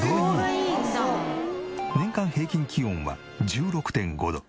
年間平均気温は１６．５度。